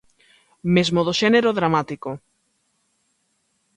Mesmo do xénero dramático.